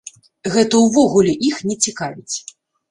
Гэта ўвогуле іх не цікавіць!